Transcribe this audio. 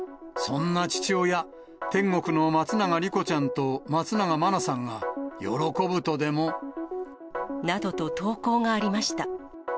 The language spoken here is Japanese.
そんな父親、天国の松永莉子ちゃんと松永愛菜さんが喜ぶとでも？などと投稿がありました。